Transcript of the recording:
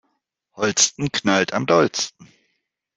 Holsten knallt am dollsten.